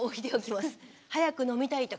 早く飲みたい時。